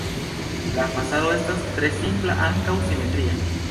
La fasado estas tre simpla, ankaŭ simetria.